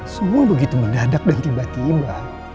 semua begitu mendadak dan tiba tiba